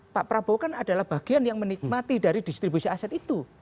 pak prabowo kan adalah bagian yang menikmati dari distribusi aset itu